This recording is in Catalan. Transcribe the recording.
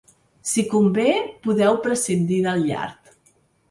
Si convé, podeu prescindir del llard.